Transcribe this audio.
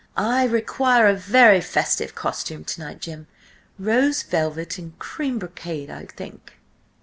"I require a very festive costume to night, Jim. Rose velvet and cream brocade, I think."